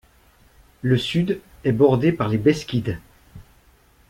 Le sud est bordé par les Beskides.